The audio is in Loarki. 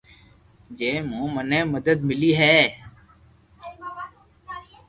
جي مون مني مدد ملي ھي